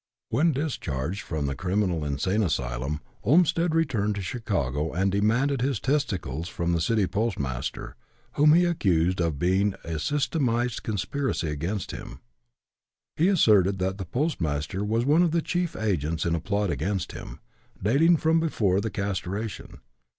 When discharged from the Criminal Insane Asylum, Olmstead returned to Chicago and demanded his testicles from the City Postmaster, whom he accused of being in a systematized conspiracy against him. He asserted that the postmaster was one of the chief agents in a plot against him, dating from before the castration.